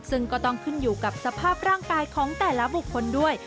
ซึ่งก็ต้องขึ้นอยู่กับสภาพร่างกายของแต่ละบุคคลด้วย